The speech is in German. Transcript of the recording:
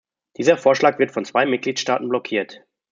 Dieser Vorschlag wird von zwei Mitgliedstaaten blockiert.